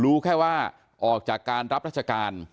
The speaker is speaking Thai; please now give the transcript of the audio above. รู้แค่ว่าออกจากการรับราชการ